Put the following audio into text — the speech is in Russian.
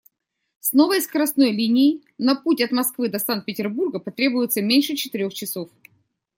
С новой скоростной линией на путь от Москвы до Санкт-Петербурга потребуется меньше четырёх часов.